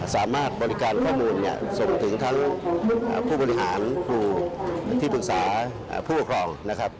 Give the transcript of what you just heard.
สามารถบริการข้อมูลเนี่ยส่งถึงทั้งผู้บริหารครูที่ปรึกษาผู้ปกครองนะครับ